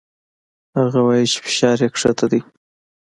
هغه وايي چې فشار يې کښته ديه.